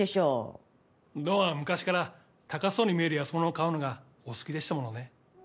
ドンは昔から高そうに見える安物を買うのがお好きでしたものね。